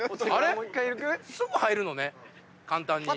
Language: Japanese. すぐ入るのね簡単に。